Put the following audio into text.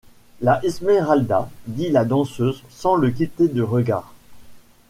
La Esmeralda, dit la danseuse sans le quitter du regard.